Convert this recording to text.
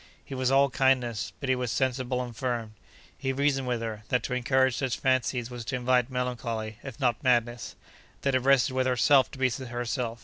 He was all kindness, but he was sensible and firm. He reasoned with her, that to encourage such fancies was to invite melancholy, if not madness. That it rested with herself to be herself.